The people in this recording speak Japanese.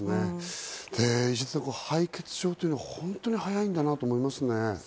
石田さん、敗血症って本当に早いんだなと思いましたね。